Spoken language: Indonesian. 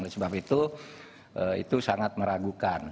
oleh sebab itu itu sangat meragukan